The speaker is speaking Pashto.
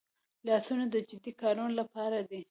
لاسونه د جدي کارونو لپاره دي